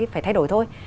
phải thay đổi thôi